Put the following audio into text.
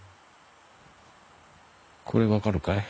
これ分かるかい？